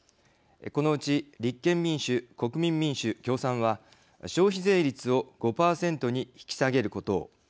このうち立憲民主、国民民主消費税率を５％に引き下げることを。